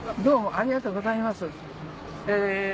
ありがとうございます。